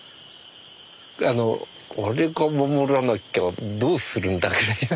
あの俺が守らなきゃどうするんだぐらいなね。